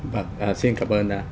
vâng xin cảm ơn